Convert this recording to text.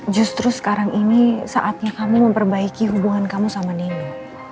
justru sekarang ini saatnya kamu memperbaiki hubungan kamu sama neno